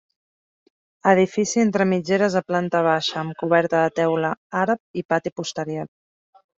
Edifici entre mitgeres de planta baixa, amb coberta de teula àrab i pati posterior.